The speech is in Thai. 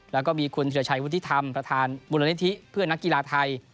แล้วก็มีคุณธิรชัยวุฒิธรรมประธานมูลนิธิเพื่อนนักกีฬาไทย